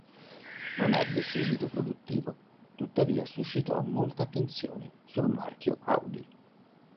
Non ebbe seguito produttivo, tuttavia suscitò molta attenzione sul marchio Audi.